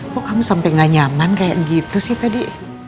kok kamu sampai gak nyaman kayak gitu sih tadi